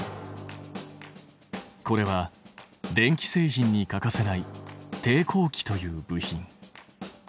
これは電気製品に欠かせない抵抗器という部品。